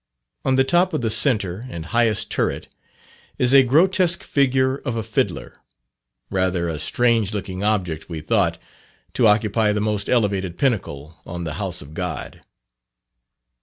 On the top of the centre and highest turret, is a grotesque figure of a fiddler; rather a strange looking object, we thought, to occupy the most elevated pinnacle on the house of God.